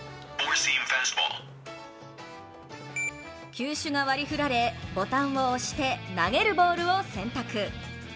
球種が割り振られ、ボタンを押して投げるボールを選択。